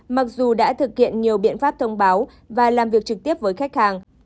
mặc dù đã thực hiện nhiều biện pháp thông báo và làm việc trực tiếp với khách hàng